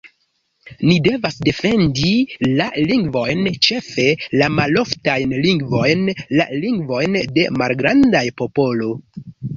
Ni devas defendi la lingvojn, ĉefe la maloftajn lingvojn, la lingvojn de malgrandaj popolo.